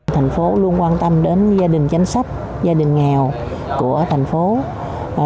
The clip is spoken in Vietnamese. thành phố luôn quan tâm đến gia đình chính sách gia đình nghèo của thành phố